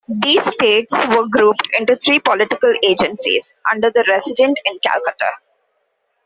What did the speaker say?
These states were grouped into three political agencies, under the "Resident" in Calcutta.